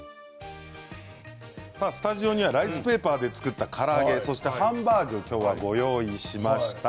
スタジオにはライスペーパーで作ったから揚げそしてハンバーグを今日はご用意しました。